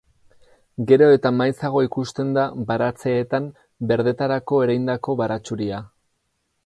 Gero eta maizago ikusten da baratzeetan berdetarako ereindako baratxuria.